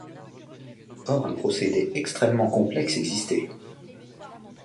Or un procédé extrêmement complexe existait.